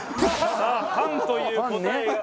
さあパンという答えが。